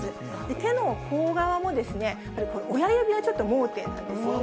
手の甲側も、親指がちょっと盲点なんですよね。